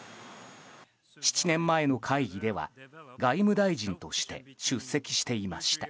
７年前の会議では外務大臣として出席していました。